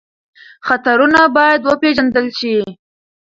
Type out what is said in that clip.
خطرونه باید وپېژندل شي.